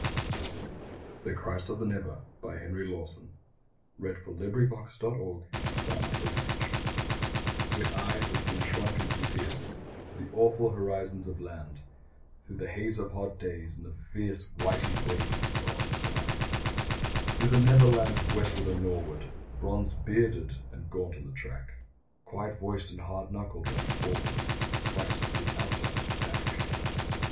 like the old man alone: While they whisper, 'He boozes alone.' THE CHRIST OF THE 'NEVER' With eyes that seem shrunken to pierce To the awful horizons of land, Through the haze of hot days, and the fierce White heat waves that flow on the sand; Through the Never Land westward and nor'ward, Bronzed, bearded and gaunt on the track, Quiet voiced and hard knuckled, rides forward The Christ of the Outer Out back.